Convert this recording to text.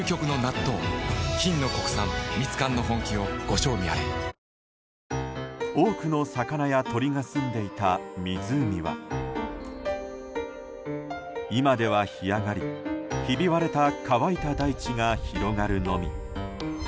丈夫なからだへ「養命酒」多くの魚や鳥がすんでいた湖は今では干上がり、ひび割れた乾いた大地が広がるのみ。